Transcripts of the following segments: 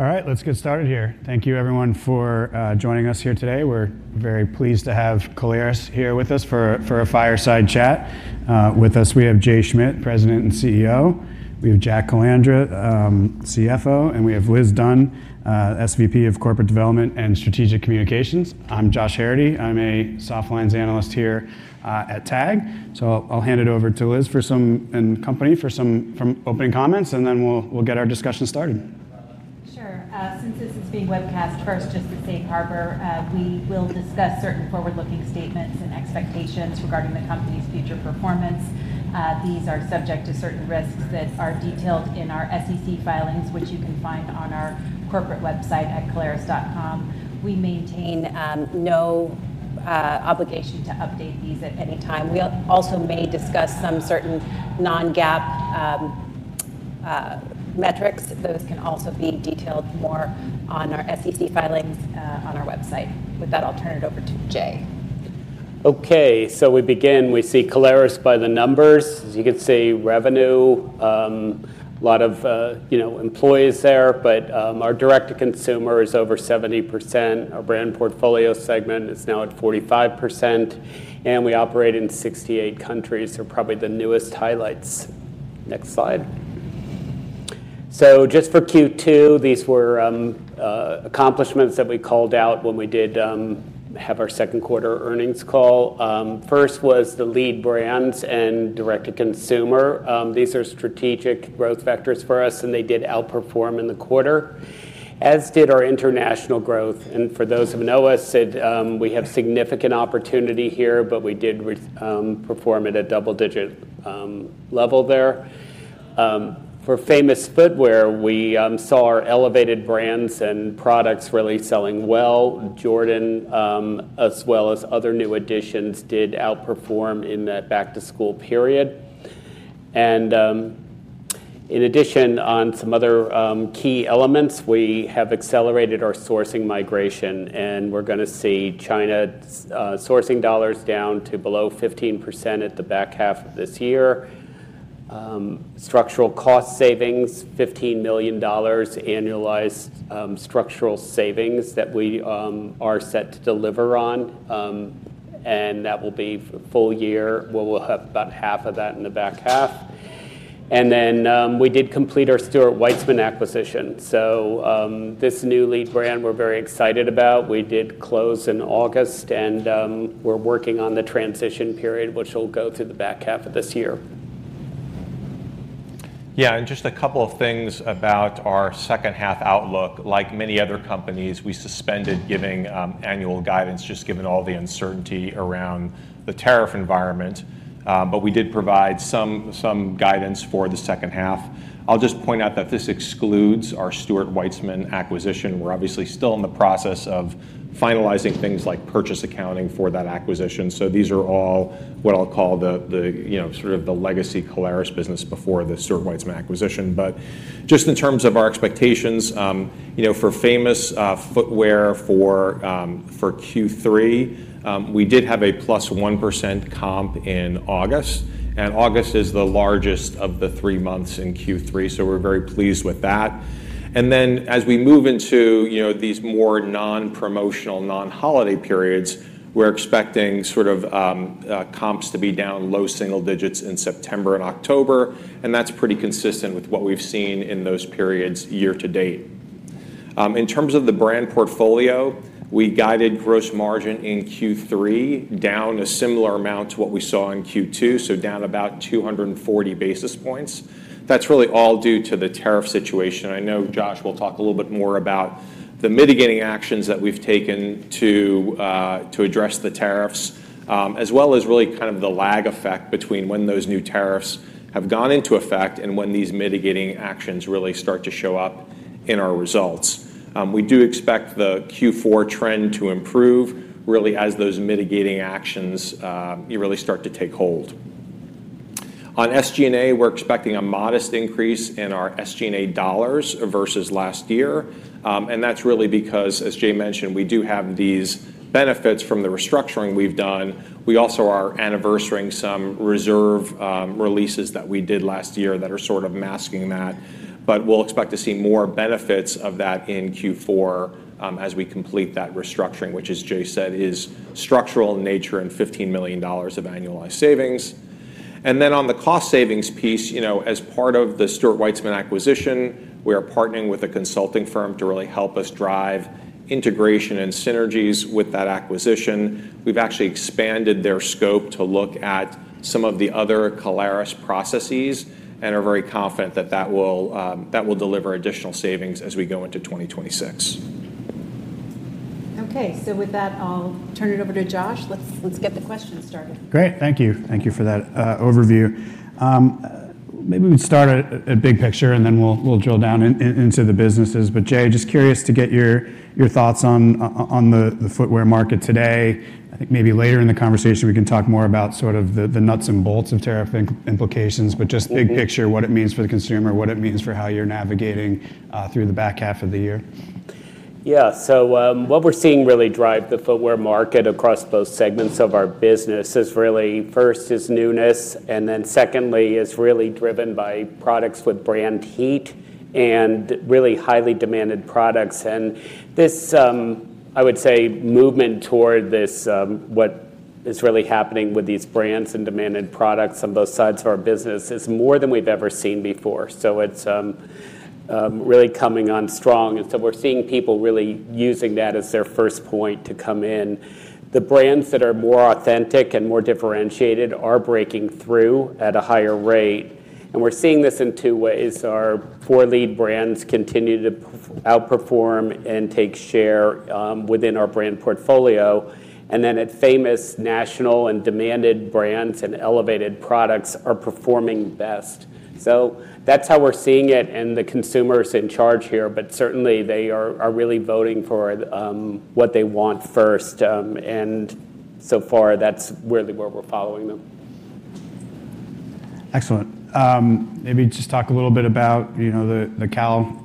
All right, let's get started here. Thank you, everyone, for joining us here today. We're very pleased to have Caleres here with us for a fireside chat. With us, we have Jay Schmidt, President and CEO. We have Jack Calandra, CFO, and we have Liz Dunn, SVP of Corporate Development and Strategic Communications. I'm Josh Herrity. I'm a softlines analyst here at Tag. I'll hand it over to Liz and company for some opening comments, and then we'll get our discussion started. Sure. Since this is being webcast, first, just a safe harbor, we will discuss certain forward-looking statements and expectations regarding the company's future performance. These are subject to certain risks that are detailed in our SEC filings, which you can find on our corporate website at caleres.com. We maintain no obligation to update these at any time. We also may discuss some certain non-GAAP metrics. Those can also be detailed more on our SEC filings on our website. With that, I'll turn it over to Jay. Okay, so we begin. We see Caleres by the numbers. As you can see, revenue, a lot of, you know, employees there, but our direct-to-consumer is over 70%. Our Brand Portfolio segment is now at 45%, and we operate in 68 countries. They're probably the newest highlights. Next slide. Just for Q2, these were accomplishments that we called out when we did have our second quarter earnings call. First was the lead brands and direct-to-consumer. These are strategic growth factors for us, and they did outperform in the quarter, as did our international growth. For those who know us, we have significant opportunity here, but we did perform at a double-digit level there. For Famous Footwear, we saw our elevated brands and products really selling well. Jordan, as well as other new additions, did outperform in that back-to-school period. In addition, on some other key elements, we have accelerated our sourcing migration, and we're going to see China's sourcing dollars down to below 15% at the back half of this year. Structural cost savings, $15 million annualized structural savings that we are set to deliver on, and that will be full year. We'll have about half of that in the back half. We did complete our Stuart Weitzman acquisition. This new lead brand we're very excited about, we did close in August, and we're working on the transition period, which will go through the back half of this year. Yeah, and just a couple of things about our second half outlook. Like many other companies, we suspended giving annual guidance just given all the uncertainty around the tariff environment. We did provide some guidance for the second half. I'll just point out that this excludes our Stuart Weitzman acquisition. We're obviously still in the process of finalizing things like purchase accounting for that acquisition. These are all what I'll call the, you know, sort of the legacy Caleres business before the Stuart Weitzman acquisition. Just in terms of our expectations, you know, for Famous Footwear for Q3, we did have a +1% comp in August. August is the largest of the three months in Q3, so we're very pleased with that. As we move into these more non-promotional, non-holiday periods, we're expecting sort of comps to be down low single digits in September and October. That's pretty consistent with what we've seen in those periods year to date. In terms of the Brand Portfolio, we guided gross margin in Q3 down a similar amount to what we saw in Q2, so down about 240 basis points. That's really all due to the tariff situation. I know Josh will talk a little bit more about the mitigating actions that we've taken to address the tariffs, as well as really kind of the lag effect between when those new tariffs have gone into effect and when these mitigating actions really start to show up in our results. We do expect the Q4 trend to improve really as those mitigating actions really start to take hold. On SG&A, we're expecting a modest increase in our SG&A dollars versus last year. That's really because, as Jay mentioned, we do have these benefits from the restructuring we've done. We also are anniversarying some reserve releases that we did last year that are sort of masking that. We'll expect to see more benefits of that in Q4 as we complete that restructuring, which, as Jay said, is structural in nature and $15 million of annualized savings. On the cost savings piece, as part of the Stuart Weitzman acquisition, we are partnering with a consulting firm to really help us drive integration and synergies with that acquisition. We've actually expanded their scope to look at some of the other Caleres processes and are very confident that that will deliver additional savings as we go into 2026. Okay, with that, I'll turn it over to Josh. Let's get the questions started. Great, thank you. Thank you for that overview. Maybe we can start at big picture, and then we'll drill down into the businesses. Jay, just curious to get your thoughts on the footwear market today. I think maybe later in the conversation we can talk more about sort of the nuts and bolts of tariff implications, just big picture, what it means for the consumer, what it means for how you're navigating through the back half of the year. Yeah, so what we're seeing really drive the footwear market across both segments of our business is really, first, newness, and then secondly, is really driven by products with brand heat and really highly demanded products. This, I would say, movement toward this, what is really happening with these brands and demanded products on both sides of our business is more than we've ever seen before. It's really coming on strong. We're seeing people really using that as their first point to come in. The brands that are more authentic and more differentiated are breaking through at a higher rate. We're seeing this in two ways. Our four lead brands continue to outperform and take share within our brand portfolio. Then at Famous Footwear, national and demanded brands and elevated products are performing best. That's how we're seeing it and the consumer is in charge here, but certainly they are really voting for what they want first. So far, that's really where we're following them. Excellent. Maybe just talk a little bit about, you know, the Caleres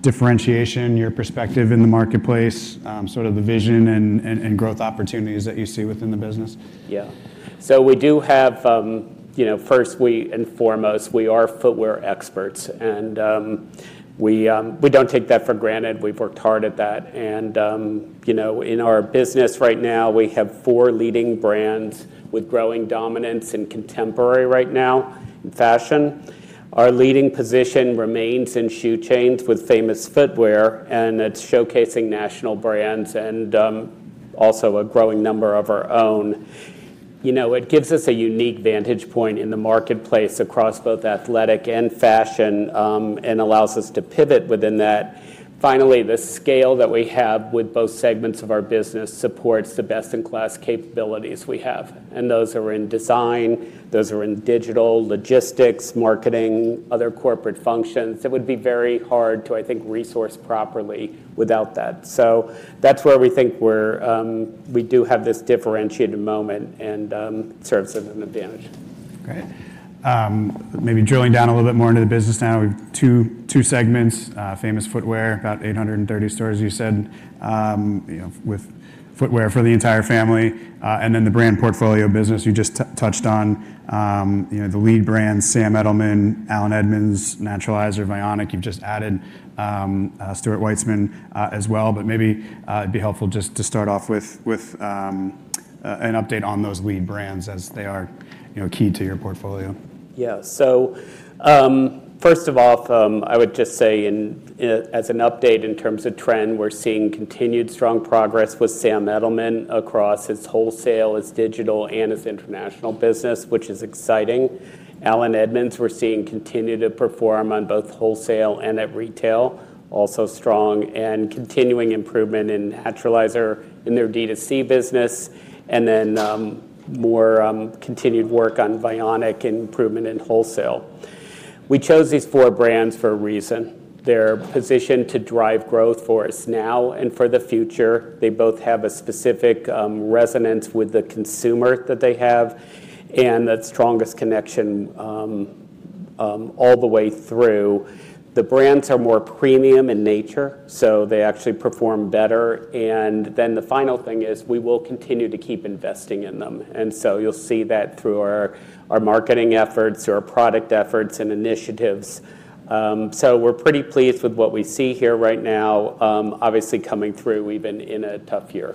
differentiation, your perspective in the marketplace, sort of the vision and growth opportunities that you see within the business. Yeah, we do have, you know, first and foremost, we are footwear experts. We don't take that for granted. We've worked hard at that. In our business right now, we have four leading brands with growing dominance in contemporary right now and fashion. Our leading position remains in shoe chains with Famous Footwear, and it's showcasing national brands and also a growing number of our own. It gives us a unique vantage point in the marketplace across both athletic and fashion and allows us to pivot within that. Finally, the scale that we have with both segments of our business supports the best-in-class capabilities we have. Those are in design, those are in digital, logistics, marketing, other corporate functions. It would be very hard to, I think, resource properly without that. That's where we think we do have this differentiated moment and serves as an advantage. Great. Maybe drilling down a little bit more into the business now. We have two segments: Famous Footwear, about 830 stores, you said, with footwear for the entire family, and then the Brand Portfolio business you just touched on, the lead brands, Sam Edelman, Allen Edmonds, Naturalizer, Vionic. You've just added Stuart Weitzman as well, but maybe it'd be helpful just to start off with an update on those lead brands as they are key to your portfolio. Yeah, so first of all, I would just say as an update in terms of trend, we're seeing continued strong progress with Sam Edelman across his wholesale, his digital, and his international business, which is exciting. Allen Edmonds, we're seeing continue to perform on both wholesale and at retail, also strong and continuing improvement in Naturalizer in their DTC business, and then more continued work on Vionic and improvement in wholesale. We chose these four brands for a reason. They're positioned to drive growth for us now and for the future. They both have a specific resonance with the consumer that they have and that strongest connection all the way through. The brands are more premium in nature, so they actually perform better. The final thing is we will continue to keep investing in them. You'll see that through our marketing efforts, our product efforts, and initiatives. We're pretty pleased with what we see here right now, obviously coming through even in a tough year.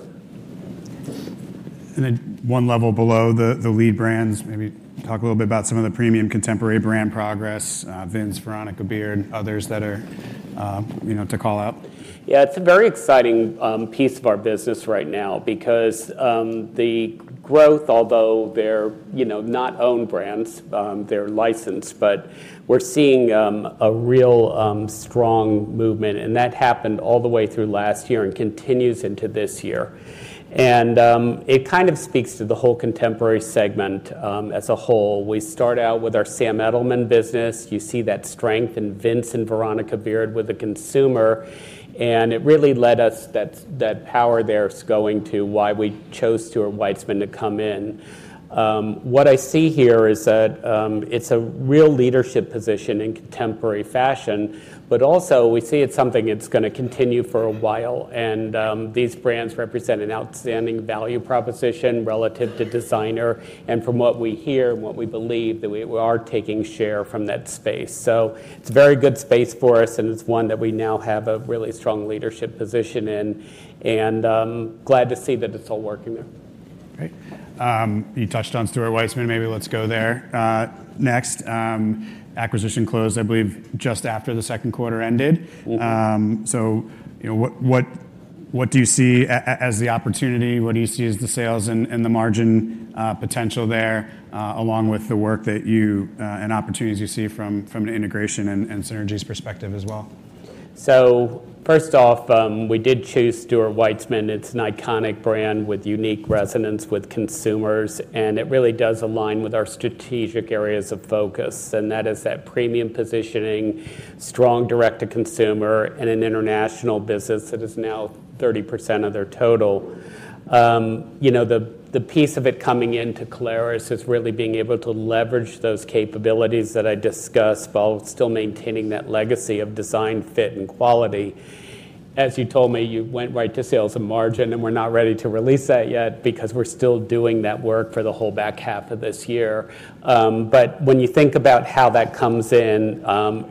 One level below the lead brands, maybe talk a little bit about some of the premium contemporary brand progress, Vince, Veronica Beard, others that are, you know, to call out. Yeah, it's a very exciting piece of our business right now because the growth, although they're not owned brands, they're licensed, but we're seeing a real strong movement. That happened all the way through last year and continues into this year. It kind of speaks to the whole contemporary segment as a whole. We start out with our Sam Edelman business. You see that strength in Vince and Veronica Beard with the consumer. It really led us, that power there is going to why we chose Stuart Weitzman to come in. What I see here is that it's a real leadership position in contemporary fashion, but also we see it's something that's going to continue for a while. These brands represent an outstanding value proposition relative to designer. From what we hear and what we believe, we are taking share from that space. It's a very good space for us, and it's one that we now have a really strong leadership position in. I'm glad to see that it's all working there. Right. You touched on Stuart Weitzman. Maybe let's go there next. Acquisition closed, I believe, just after the second quarter ended. What do you see as the opportunity? What do you see as the sales and the margin potential there, along with the work that you and opportunities you see from an integration and synergies perspective as well? First off, we did choose Stuart Weitzman. It's an iconic brand with unique resonance with consumers, and it really does align with our strategic areas of focus. That is that premium positioning, strong direct-to-consumer in an international business that is now 30% of their total. The piece of it coming into Caleres is really being able to leverage those capabilities that I discussed while still maintaining that legacy of design, fit, and quality. As you told me, you went right to sales and margin, and we're not ready to release that yet because we're still doing that work for the whole back half of this year. When you think about how that comes in,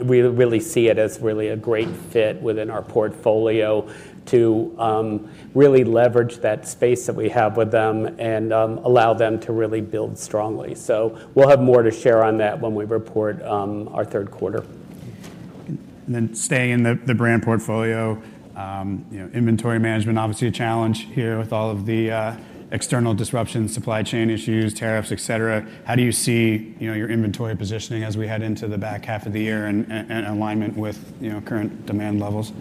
we really see it as really a great fit within our portfolio to really leverage that space that we have with them and allow them to really build strongly. We'll have more to share on that when we report our third quarter. Staying in the brand portfolio, you know, inventory management, obviously a challenge here with all of the external disruptions, supply chain issues, tariffs, etc. How do you see, you know, your inventory positioning as we head into the back half of the year and alignment with, you know, current demand levels?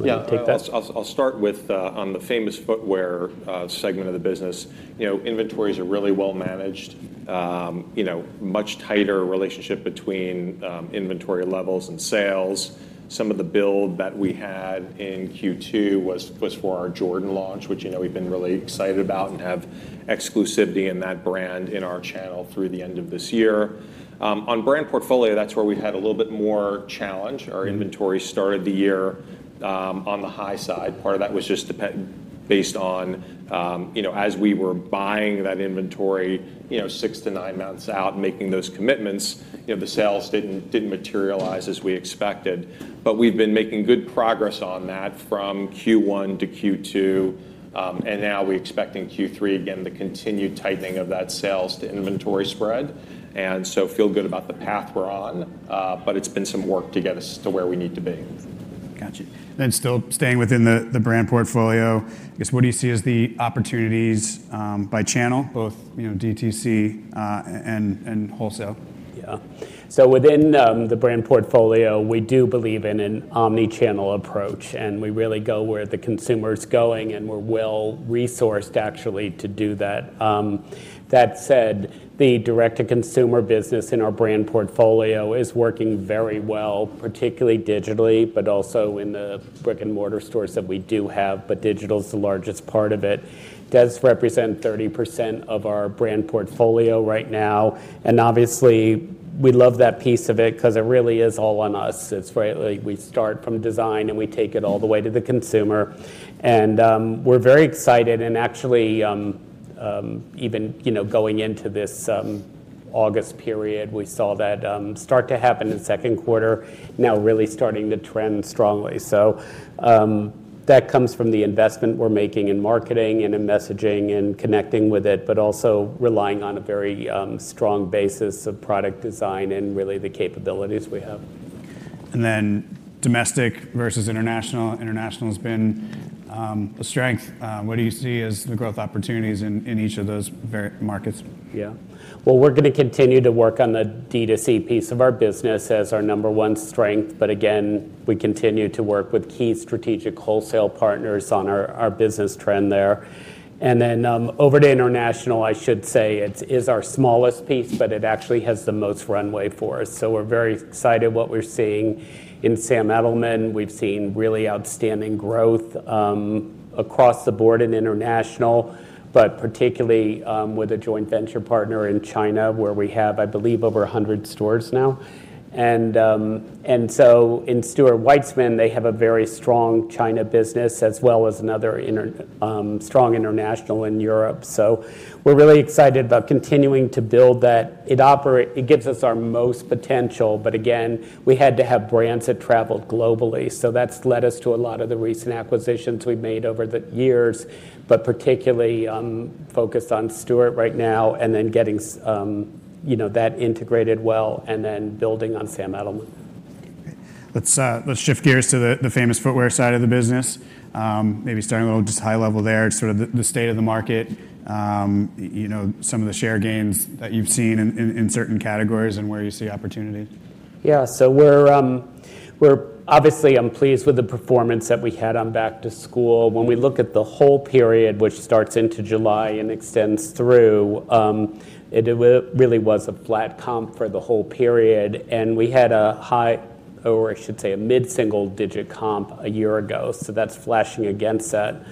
Yeah, I'll start with on the Famous Footwear segment of the business. Inventories are really well managed, with a much tighter relationship between inventory levels and sales. Some of the build that we had in Q2 was for our Jordan launch, which we've been really excited about and have exclusivity in that brand in our channel through the end of this year. On Brand Portfolio, that's where we've had a little bit more challenge. Our inventory started the year on the high side. Part of that was just based on, as we were buying that inventory six to nine months out, making those commitments, the sales didn't materialize as we expected. We've been making good progress on that from Q1 to Q2, and now we're expecting Q3 again, the continued tightening of that sales to inventory spread. I feel good about the path we're on. It's been some work to get us to where we need to be. Gotcha. Still staying within the brand portfolio, I guess, what do you see as the opportunities by channel, both, you know, DTC and wholesale? Yeah, within the brand portfolio, we do believe in an omnichannel approach. We really go where the consumer is going, and we're well resourced, actually, to do that. That said, the direct-to-consumer business in our brand portfolio is working very well, particularly digitally, but also in the brick-and-mortar stores that we do have. Digital is the largest part of it. It does represent 30% of our brand portfolio right now. Obviously, we love that piece of it because it really is all on us. It's right. We start from design and we take it all the way to the consumer. We're very excited. Actually, even going into this August period, we saw that start to happen in the second quarter, now really starting to trend strongly. That comes from the investment we're making in marketing and in messaging and connecting with it, but also relying on a very strong basis of product design and really the capabilities we have. Domestic versus international, international has been a strength. What do you see as the growth opportunities in each of those markets? Yeah, we're going to continue to work on the direct-to-consumer piece of our business as our number one strength. Again, we continue to work with key strategic wholesale partners on our business trend there. Over to international, I should say it is our smallest piece, but it actually has the most runway for us. We're very excited about what we're seeing. In Sam Edelman, we've seen really outstanding growth across the board in international, particularly with a joint venture partner in China, where we have, I believe, over 100 stores now. In Stuart Weitzman, they have a very strong China business as well as another strong international in Europe. We're really excited about continuing to build that. It gives us our most potential. Again, we had to have brands that traveled globally. That's led us to a lot of the recent acquisitions we've made over the years, particularly focused on Stuart right now and then getting that integrated well and then building on Sam Edelman. Let's shift gears to the Famous Footwear side of the business. Maybe starting a little just high level there, sort of the state of the market, you know, some of the share gains that you've seen in certain categories and where you see opportunity. Yeah, so we're obviously, I'm pleased with the performance that we had on back to school. When we look at the whole period, which starts into July and extends through, it really was a flat comp for the whole period. We had a mid-single digit comp a year ago, so that's flashing against that.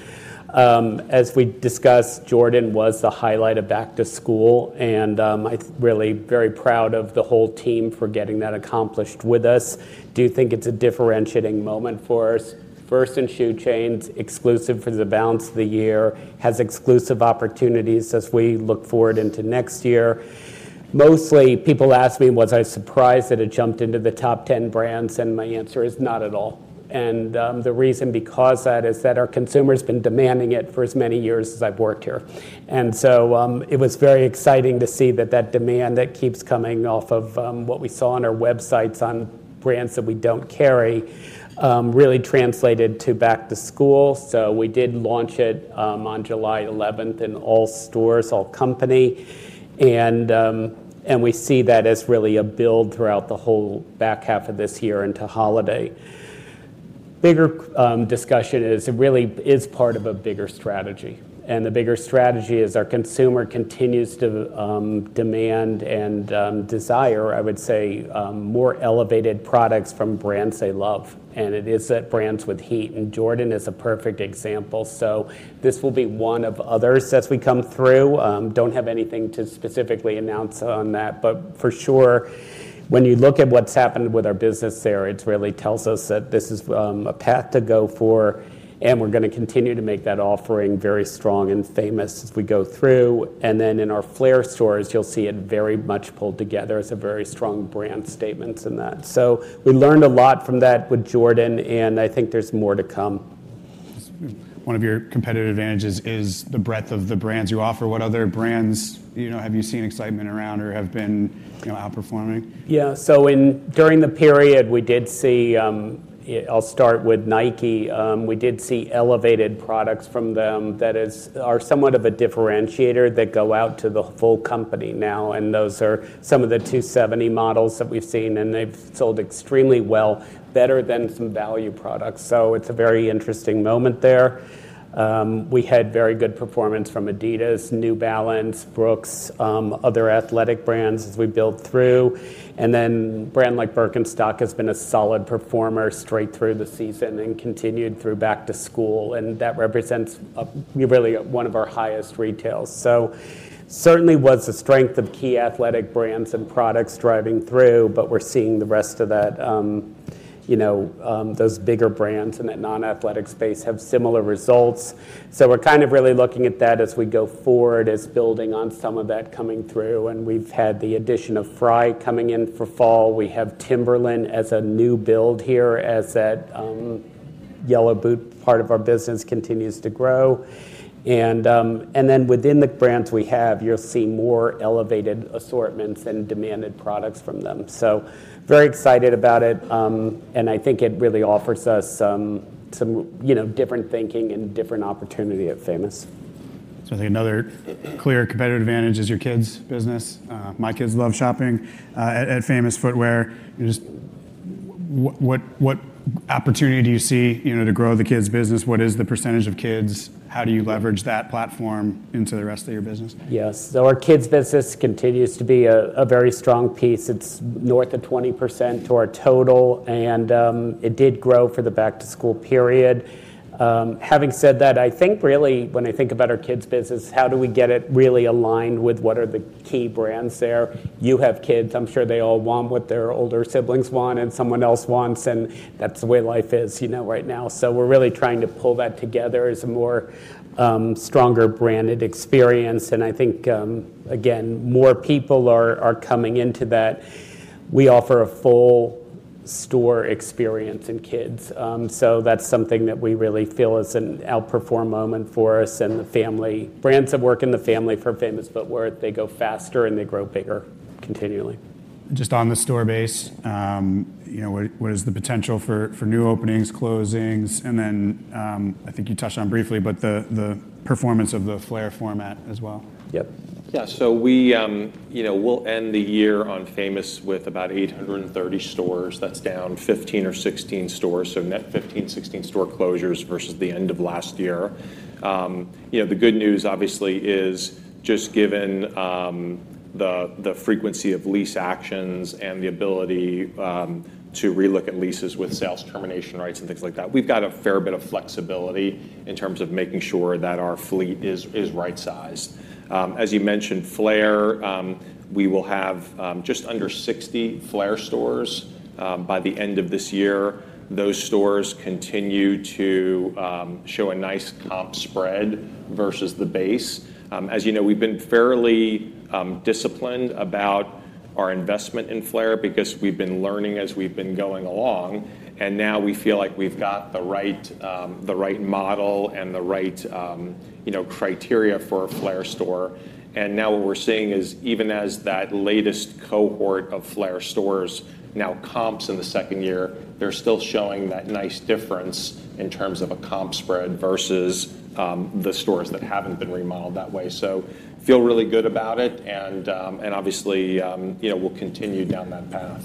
As we discussed, Jordan was the highlight of back to school. I'm really very proud of the whole team for getting that accomplished with us. I do think it's a differentiating moment for us. First in shoe chains, exclusive for the balance of the year, has exclusive opportunities as we look forward into next year. Mostly, people ask me, was I surprised that it jumped into the top 10 brands? My answer is not at all. The reason because of that is that our consumers have been demanding it for as many years as I've worked here. It was very exciting to see that that demand that keeps coming off of what we saw on our websites on brands that we don't carry really translated to back to school. We did launch it on July 11th in all stores, all company. We see that as really a build throughout the whole back half of this year into holiday. Bigger discussion is it really is part of a bigger strategy. The bigger strategy is our consumer continues to demand and desire, I would say, more elevated products from brands they love. It is that brands with heat, and Jordan is a perfect example. This will be one of others as we come through. Don't have anything to specifically announce on that. For sure, when you look at what's happened with our business there, it really tells us that this is a path to go for. We're going to continue to make that offering very strong and famous as we go through. In our FLAIR stores, you'll see it very much pulled together as a very strong brand statement in that. We learned a lot from that with Jordan, and I think there's more to come. One of your competitive advantages is the breadth of the brands you offer. What other brands have you seen excitement around or have been outperforming? Yeah, during the period, we did see, I'll start with Nike. We did see elevated products from them that are somewhat of a differentiator that go out to the full company now. Those are some of the 270 models that we've seen, and they've sold extremely well, better than some value products. It's a very interesting moment there. We had very good performance from Adidas, New Balance, Brooks, other athletic brands as we built through. A brand like Birkenstock has been a solid performer straight through the season and continued through back to school, and that represents really one of our highest retails. It certainly was the strength of key athletic brands and products driving through. We're seeing the rest of those bigger brands in that non-athletic space have similar results. We're really looking at that as we go forward as building on some of that coming through. We've had the addition of Frye coming in for fall. We have Timberland as a new build here as that yellow boot part of our business continues to grow. Within the brands we have, you'll see more elevated assortments and demanded products from them. Very excited about it, and I think it really offers us some different thinking and different opportunity at Famous. I think another clear competitive advantage is your kids' business. My kids love shopping at Famous Footwear. What opportunity do you see to grow the kids' business? What is the percentage of kids? How do you leverage that platform into the rest of your business? Yes, our kids' business continues to be a very strong piece. It's north of 20% to our total, and it did grow for the back-to-school period. Having said that, I think really when I think about our kids' business, how do we get it really aligned with what are the key brands there? You have kids. I'm sure they all want what their older siblings want and someone else wants. That's the way life is, you know, right now. We're really trying to pull that together as a more stronger branded experience. I think, again, more people are coming into that. We offer a full store experience in kids, so that's something that we really feel is an outperform moment for us and the family. Brands that work in the family for Famous Footwear, they go faster and they grow bigger continually. Just on the store base, you know, what is the potential for new openings, closings? I think you touched on briefly, but the performance of the FLAIR format as well. Yeah, so we, you know, we'll end the year on Famous with about 830 stores. That's down 15 or 16 stores. Net 15, 16 store closures versus the end of last year. The good news, obviously, is just given the frequency of lease actions and the ability to relook at leases with sales termination rights and things like that, we've got a fair bit of flexibility in terms of making sure that our fleet is right sized. As you mentioned, FLAIR, we will have just under 60 FLAIR stores by the end of this year. Those stores continue to show a nice comp spread versus the base. As you know, we've been fairly disciplined about our investment in FLAIR because we've been learning as we've been going along. Now we feel like we've got the right model and the right, you know, criteria for a FLAIR store. What we're seeing is even as that latest cohort of FLAIR stores now comps in the second year, they're still showing that nice difference in terms of a comp spread versus the stores that haven't been remodeled that way. I feel really good about it. Obviously, you know, we'll continue down that path.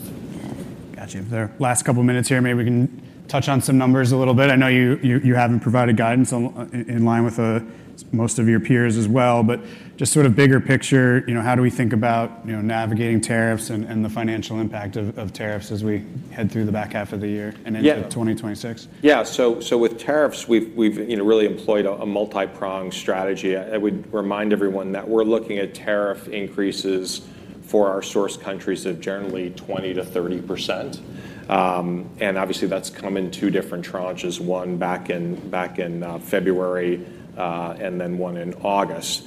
Gotcha. Last couple of minutes here, maybe we can touch on some numbers a little bit. I know you haven't provided guidance in line with most of your peers as well, but just sort of bigger picture, you know, how do we think about navigating tariffs and the financial impact of tariffs as we head through the back half of the year and into 2026? Yeah, so with tariffs, we've really employed a multi-prong strategy. I would remind everyone that we're looking at tariff increases for our source countries at generally 20%-30%. Obviously, that's come in two different tranches, one back in February and then one in August.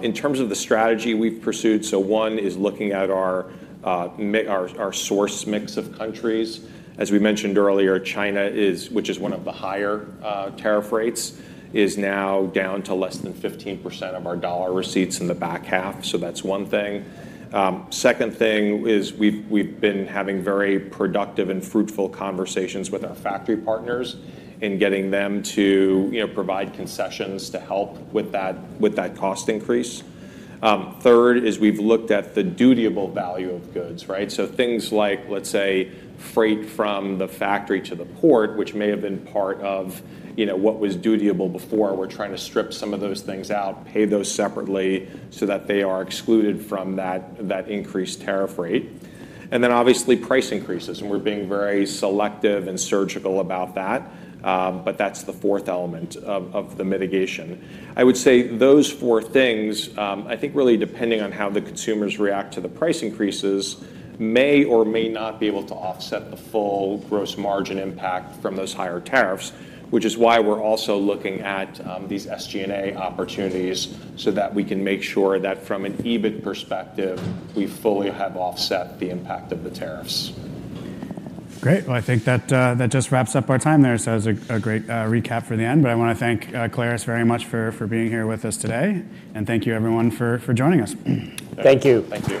In terms of the strategy we've pursued, one is looking at our source mix of countries. As we mentioned earlier, China, which is one of the higher tariff rates, is now down to less than 15% of our dollar receipts in the back half. That's one thing. Second thing is we've been having very productive and fruitful conversations with our factory partners in getting them to provide concessions to help with that cost increase. Third is we've looked at the dutyable value of goods, right? Things like, let's say, freight from the factory to the port, which may have been part of what was dutyable before. We're trying to strip some of those things out, pay those separately so that they are excluded from that increased tariff rate. Obviously, price increases, and we're being very selective and surgical about that, but that's the fourth element of the mitigation. I would say those four things, I think really depending on how the consumers react to the price increases, may or may not be able to offset the full gross margin impact from those higher tariffs, which is why we're also looking at these SG&A opportunities so that we can make sure that from an EBIT perspective, we fully have offset the impact of the tariffs. Great. I think that just wraps up our time there. That was a great recap for the end. I want to thank Caleres very much for being here with us today, and thank you, everyone, for joining us. Thank you. Thank you.